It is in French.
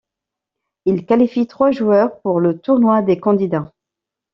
Il qualifie trois joueurs pour le tournoi des candidats.